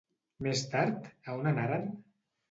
Més tard, a on anaren?